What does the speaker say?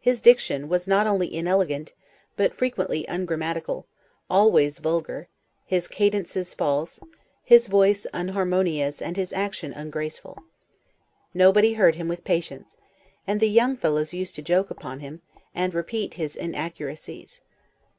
His diction was not only inelegant, but frequently ungrammatical, always vulgar; his cadences false, his voice unharmonious, and his action ungraceful. Nobody heard him with patience; and the young fellows used to joke upon him, and repeat his inaccuracies.